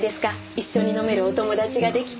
一緒に飲めるお友達が出来て。